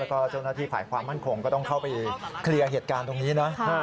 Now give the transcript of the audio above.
แล้วก็เจ้าหน้าที่ฝ่ายความมั่นคงก็ต้องเข้าไปเคลียร์เหตุการณ์ตรงนี้นะ